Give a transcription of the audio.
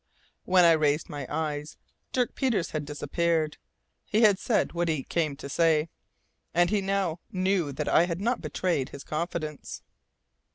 When I raised my eyes, Dirk Peters had disappeared; he had said what he came to say, and he now knew that I had not betrayed his confidence.